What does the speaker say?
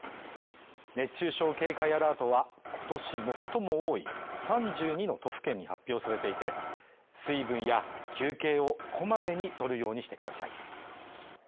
熱中症警戒アラートは、今年最も多い３２の都府県に発表されていて水分や休憩をこまめにとるようにしてください。